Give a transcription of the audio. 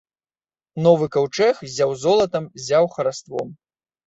Новы каўчэг ззяў золатам, ззяў хараством.